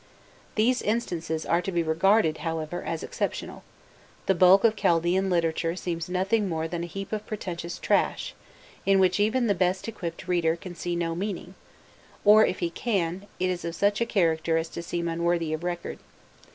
"These instances are to be regarded, however, as exceptional: the bulk of Chaldaean literature seems nothing more than a heap of pretentious trash, in which even the best equipped reader can see no meaning, or, if he can, it is of such a character as to seem unworthy of record.